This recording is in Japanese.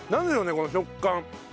この食感。